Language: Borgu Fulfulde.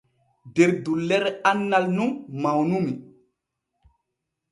Der dullere annal nun mawnumi.